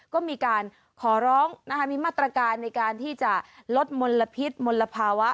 ก็มีการขอร้องมีมาตรการในการที่จะลดมลพิษมลภาวะ